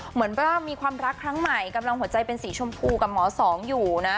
เหมือนว่ามีความรักครั้งใหม่กำลังหัวใจเป็นสีชมพูกับหมอสองอยู่นะ